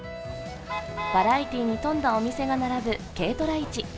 バラエティーに富んだお店が並ぶ軽トラ市。